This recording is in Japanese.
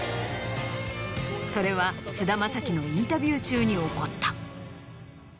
それは菅田将暉のインタビュー中に起こった。